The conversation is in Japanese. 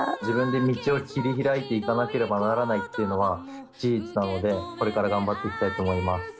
自分で道を切り開いていかなければならないっていうのは事実なのでこれから頑張っていきたいと思います。